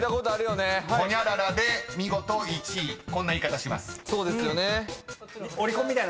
［ホニャララで見事１位こんな言い方します］